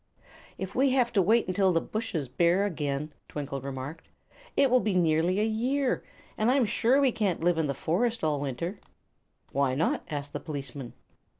"If we have to wait until the bushes bear again," Twinkle remarked, "it will be nearly a year, and I'm sure we can't live in the forest all winter." "Why not?" asked the policeman.